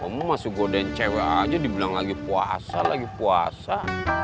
kamu masih godain cewek aja dibilang lagi puasa lagi puasa